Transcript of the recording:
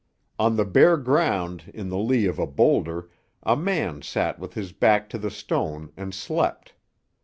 On the bare ground in the lea of a boulder a man sat with his back to the stone and slept.